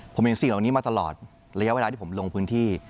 ผมเห็นสิ่งเหล่านี้มาตลอดระยะเวลาที่ผมลงพื้นที่